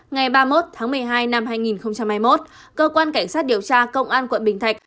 ngày ba mươi một tháng một mươi hai năm hai nghìn hai mươi một cơ quan cảnh sát điều tra công an quận bình thạnh